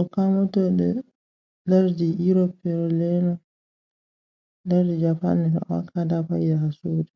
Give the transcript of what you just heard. Okamoto traveled to Europe and the United States and brought to Japan several comics.